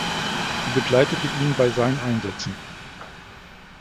Sie begleitete ihn bei seinen Einsätzen.